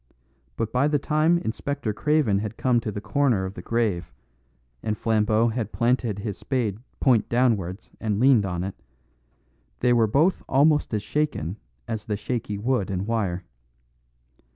But by the time Inspector Craven had come to the corner of the grave, and Flambeau had planted his spade point downwards and leaned on it, they were both almost as shaken as the shaky wood and wire.